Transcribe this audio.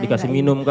dikasih minum kah